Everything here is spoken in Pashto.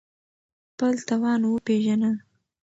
خپل توان وپېژنه